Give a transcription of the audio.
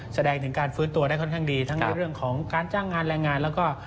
แสดงถึงการฟื้นตัวได้ค่อนข้างดีทั้งในเรื่องของการจ้างงานแรงงานแล้วก็